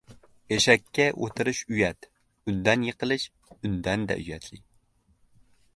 • Eshakka o‘tirish uyat, undan yiqilish — undan-da uyatli.